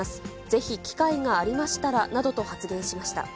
ぜひ機会がありましたらなどと発言しました。